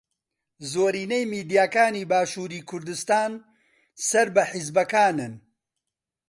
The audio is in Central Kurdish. زۆرینەی میدیاکانی باشووری کوردستان سەر بە حیزبەکانن.